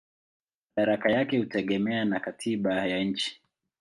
Madaraka yake hutegemea na katiba ya nchi.